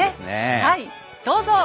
はいどうぞ。